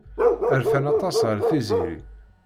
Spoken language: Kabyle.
Rfan aṭas ɣef Tiziri.